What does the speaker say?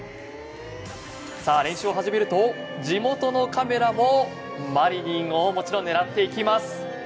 練習を始めると地元のカメラもマリニンをもちろん狙っていきます。